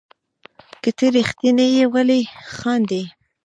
که ته ريښتيني يي ولي خاندي